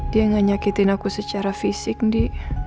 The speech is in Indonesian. dia gak nyakitin aku secara fisik nih